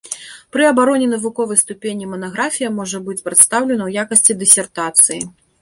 Пры абароне навуковай ступені манаграфія можа быць прадстаўлена ў якасці дысертацыі.